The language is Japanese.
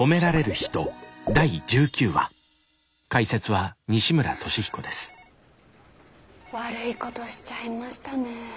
はぁ悪いことしちゃいましたね。